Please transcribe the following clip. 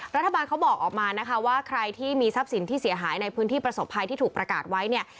รัฐบาลเขาบอกออกมานะคะว่าใครที่มีทรัพย์สินที่เสียหายในพื้นที่ประสบภัยที่ถูกประกาศไว้เนี่ย